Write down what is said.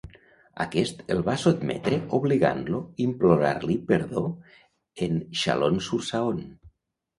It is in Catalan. Aquest el va sotmetre obligant-lo implorar-li perdó en Chalon-sur-Saône.